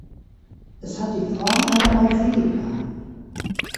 Es hat die Form einer Basilika.